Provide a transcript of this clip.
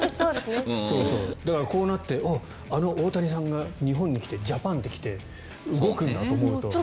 だから、こうなってあの大谷さんが日本に来て、ジャパンを着て動くんだと思うと。